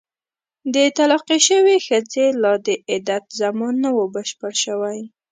د طلاقې شوې ښځې لا د عدت زمان نه وو بشپړ شوی.